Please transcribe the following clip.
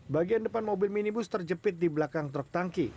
bagian depan mobil minibus terjepit di belakang truk tangki